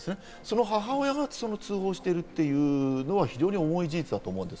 母親が通報しているというのは重い事実だと思うんです。